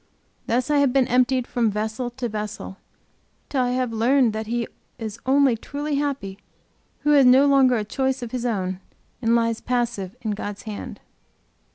Thus I have been emptied from vessel to vessel, til I have learned that he only is truly happy who has no longer a choice of his own, and lies passive in God's hand.